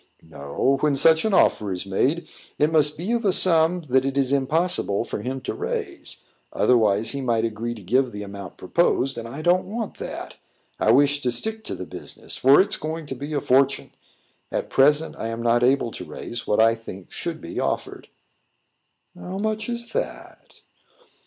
"No. When such an offer is made, it must be of a sum that it is impossible for him to raise; otherwise, he might agree to give the amount proposed, and I don't want that. I wish to stick to the business, for it's going to be a fortune. At present, I am not able to raise what I think should be offered." "How much is that?"